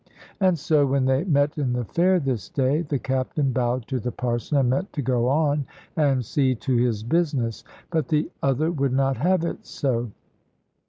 And so, when they met in the fair this day, the Captain bowed to the Parson, and meant to go on and see to his business. But the other would not have it so.